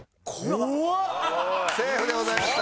セーフでございました。